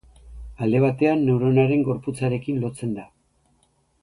Alde batean, neuronaren gorputzarekin lotzen da.